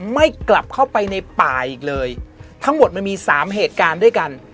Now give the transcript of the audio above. ไม่กลับเข้าไปในป่าอีกเลยทั้งหมดมันมีสามเหตุการณ์ด้วยกัน